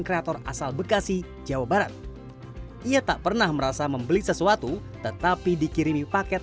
kreator asal bekasi jawa barat ia tak pernah merasa membeli sesuatu tetapi dikirimi paket